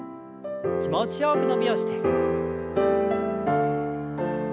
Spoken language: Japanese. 気持ちよく伸びをして。